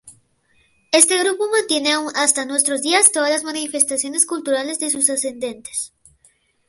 Este grupo mantiene aún hasta nuestros días todas las manifestaciones culturales de sus ascendentes.